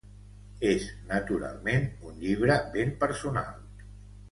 És, naturalment, un llibre ben personal